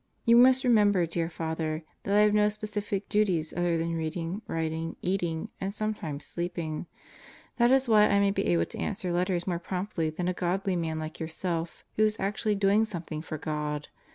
You must remember, dear Father, that I have no specific duties other than reading, writ ing, eating, and sometimes sleeping. That is why I may be able to answer letters more promptly than a Godly man like yourself who is actually doing something for God.